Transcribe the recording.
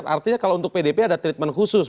artinya kalau untuk pdp ada treatment khusus